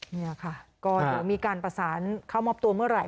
นี่ค่ะก็เดี๋ยวมีการประสานเข้ามอบตัวเมื่อไหร